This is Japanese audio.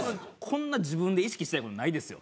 こんな自分で意識してない事ないですよ。